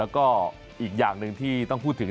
แล้วก็อีกอย่างหนึ่งที่ต้องพูดถึง